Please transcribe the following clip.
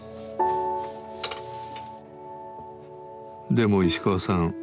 でも石川さん